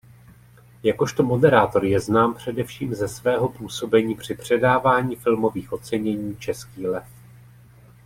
Jakožto moderátor je znám především ze svého působení při předávání filmových ocenění "Český lev".